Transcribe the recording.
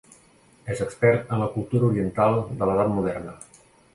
És expert en la cultura oriental de l'Edat Moderna.